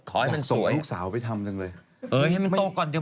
เขาอยากส่งลูกสาวไปทำจังเลย